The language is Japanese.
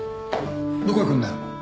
どこ行くんだよ？